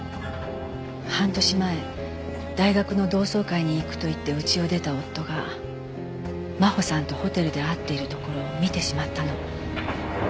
半年前大学の同窓会に行くと言ってうちを出た夫が真帆さんとホテルで会っているところを見てしまったの。